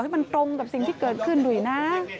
ให้มันตรงกับสิ่งที่เกิดขึ้นด้วยนะ